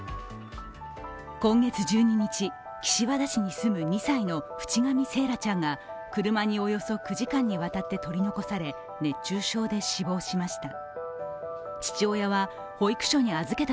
今月１２日、岸和田市に住む２歳の渕上惺愛ちゃんが車におよそ９時間にわたって取り残され、熱中症で死亡しました。